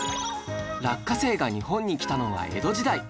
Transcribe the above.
落花生が日本に来たのは江戸時代